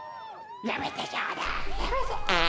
「やめてちょうだい！